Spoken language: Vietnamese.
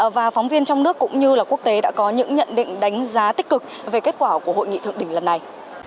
và phóng viên trong nước cũng như là quốc tế đã có những nhận định đánh giá tích cực về kết quả của hội nghị thượng đỉnh lần này